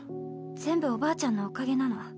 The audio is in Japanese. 全部おばあちゃんのおかげなの。